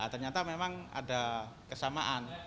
ternyata memang ada kesamaan